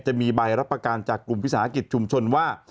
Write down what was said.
จะมีใบรับประกันจากกลุ่มวิสาหกิจชุมชนว่า